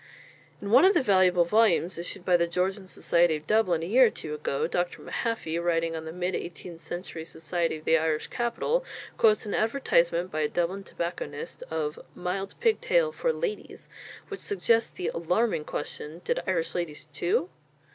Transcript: In one of the valuable volumes issued by the Georgian Society of Dublin a year or two ago, Dr. Mahaffy, writing on the mid eighteenth century society of the Irish capital, quotes an advertisement by a Dublin tobacconist of "mild pigtail for ladies" which suggests the alarming question Did Irish ladies chew?